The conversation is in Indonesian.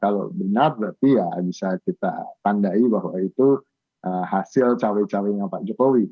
kalau benar berarti ya bisa kita tandai bahwa itu hasil cawe cawe nya pak jokowi